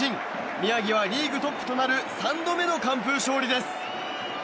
宮城はリーグトップとなる３度目の完封勝利です。